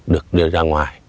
được đưa ra ngoài